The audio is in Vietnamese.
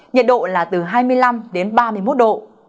nhiệt độ là từ hai mươi năm đến ba mươi một độ